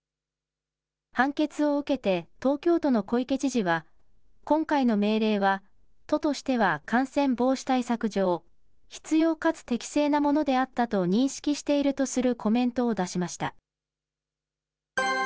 判決を受けて東京都の小池知事は、今回の命令は、都としては感染防止対策上、必要かつ適正なものであったと認識しているとするコメントを出しました。